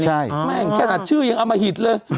แม่งแค่หนัดชื่อยังเอามาหิดเลย